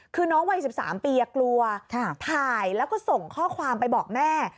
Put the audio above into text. คือน้องวัย๑๓ปีกลัวถ่ายแล้วก็ส่งข้อความไปบอกแม่